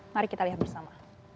mari kita lihat bersama